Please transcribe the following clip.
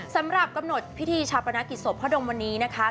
สำหรับกำหนดพิธีชาปนกิจศพพ่อดมวันนี้นะคะ